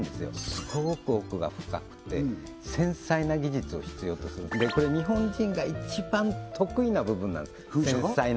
すごく奥が深くて繊細な技術を必要とするこれ日本人が一番得意な部分なんです噴射が？